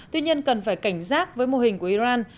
tuy nhiên cần phải cảnh giác với mô hình của iran